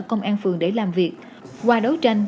công an phường để làm việc qua đấu tranh